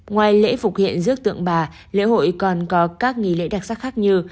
ngoài lễ phục hiện rước tượng bà lễ hội còn có các nghỉ lễ đặc sắc khác như